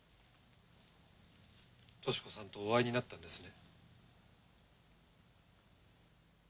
敏子さんとお会いになったんですね。